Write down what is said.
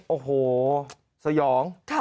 โอ้โหสยอง